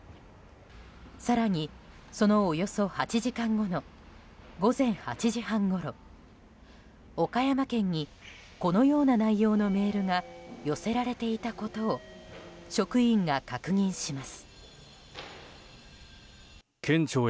更に、そのおよそ８時間後の午前８時半ごろ岡山県にこのような内容のメールが寄せられていたことを職員が確認します。